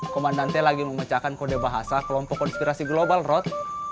komandante lagi memecahkan kode bahasa kelompok konspirasi global rot